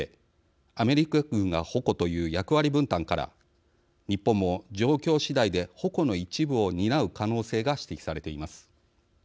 アメリカ軍が「矛」という役割分担から日本も状況次第で「矛」の一部を担う可能性が指摘されています。